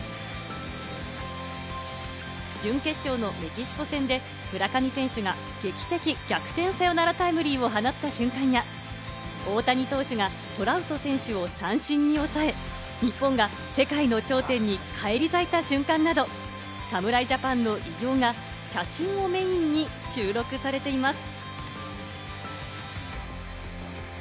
準決勝のメキシコ戦で村上選手が劇的逆転サヨナラタイムリーを放った瞬間や、大谷投手がトラウト選手を三振に抑え、日本が世界の頂点に返り咲いた瞬間など、侍ジャパンの偉業が写真をメインに収録されています。